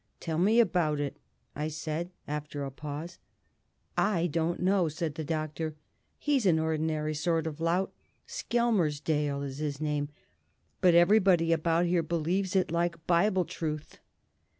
"Tell me about it," I said, after a pause. "I don't know," said the Doctor. "He's an ordinary sort of lout Skelmersdale is his name. But everybody about here believes it like Bible truth."